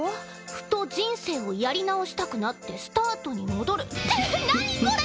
「ふと人生をやり直したくなってスタートに戻る」って何これ！